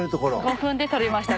５分で捕れました。